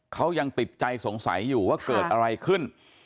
เขายังติดใจสงสัยอยู่ว่าเกิดอะไรขึ้น